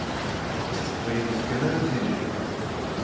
S teqbaylit kan ara tiliḍ.